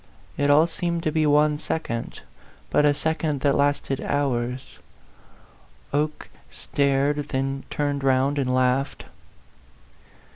It all seemed to be one second, but a second that lasted hours. Oke stareu, then turned round and laughed.